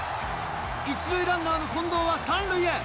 １塁ランナーの近藤は３塁へ。